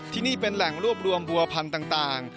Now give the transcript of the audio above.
ที่นี่เป็นแหล่งรวบรวมบัวพันธุ์ต่าง